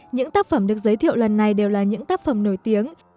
những tác phẩm được giới thiệu lần này đều là những tác phẩm nổi tiếng